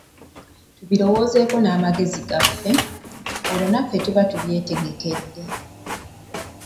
Tubirowoozaako n'amagezi gaffe; olwo naffe tuba tubyetegekedde.